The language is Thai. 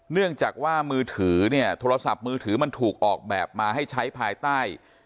เนื่องจากว่ามือถือเนี่ยโทรศัพท์มือถือมันถูกออกแบบมาให้ใช้ภายใต้